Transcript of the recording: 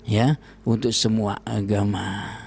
ya untuk semua agama